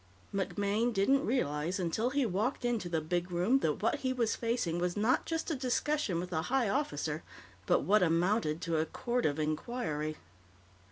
MacMaine didn't realize until he walked into the big room that what he was facing was not just a discussion with a high officer, but what amounted to a Court of Inquiry.